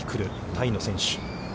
タイの選手。